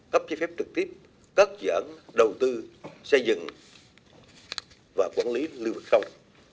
cấp chế phép trực tiếp cấp dẫn đầu tư xây dựng và quản lý lưu vật không